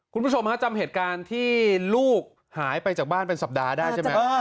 คุณผู้ชมฮะจำเหตุการณ์ที่ลูกหายไปจากบ้านเป็นสัปดาห์ได้ใช่ไหม